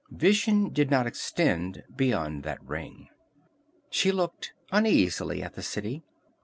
Vision did not extend beyond that ring. She looked uneasily at the city.